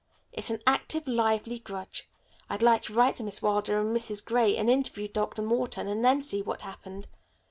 It's an active, lively grudge. I'd like to write to Miss Wilder and Mrs. Gray, and interview Dr. Morton, and then see what happened.